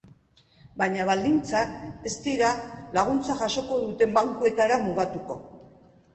Baina baldintzak ez dira laguntza jasoko duten bankuetara mugatuko.